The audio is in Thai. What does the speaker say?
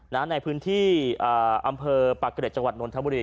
ในพื้นที่อำเภอปากเกร็จจังหวัดนทบุรี